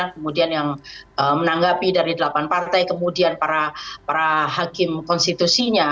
kemudian yang menanggapi dari delapan partai kemudian para hakim konstitusinya